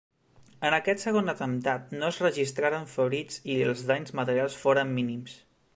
En aquest segon atemptat, no es registraren ferits i els danys materials foren mínims.